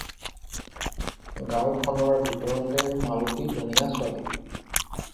গাওঁখনৰ ভিতৰতে মালতী ধুনীয়া ছোৱালী।